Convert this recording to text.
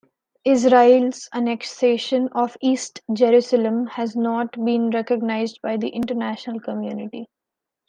Israel's annexation of East Jerusalem has not been recognized by the international community.